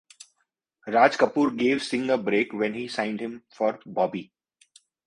Raj Kapoor gave Singh a break when he signed him for "Bobby".